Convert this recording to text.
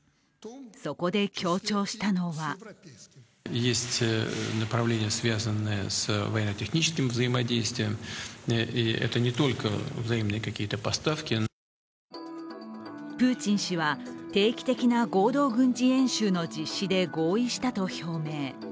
そこで強調したのはプーチン氏は、定期的な合同軍事演習の実施で合意したと表明。